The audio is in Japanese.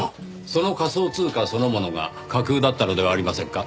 その仮想通貨そのものが架空だったのではありませんか？